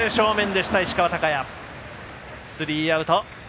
スリーアウト。